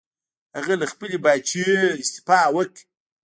هغه له خپلې پاچاهۍ استعفا وکړه.